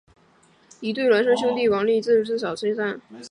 一对孪生兄弟王利就自小失散。